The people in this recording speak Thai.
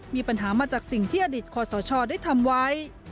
มีปัญหามาจากสิ่งที่อดีตคอสชได้ทำไว้